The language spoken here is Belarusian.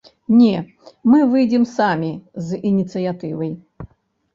Не, мы выйдзем самі з ініцыятывай.